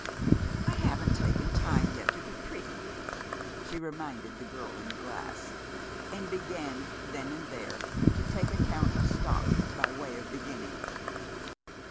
"I haven't taken time yet to be pretty," she reminded the girl in the glass, and began then and there to take account of stock, by way of beginning.